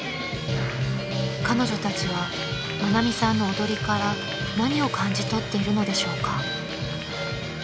［彼女たちは愛美さんの踊りから何を感じ取っているのでしょうか？］